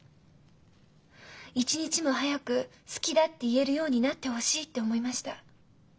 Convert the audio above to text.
一日も早く「好きだ」って言えるようになってほしいって思いました。